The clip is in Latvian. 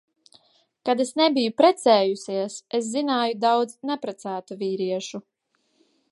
Kad es nebiju precējusies, es zināju daudz neprecētu vīriešu.